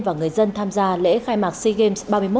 và người dân tham gia lễ khai mạc sigems ba mươi một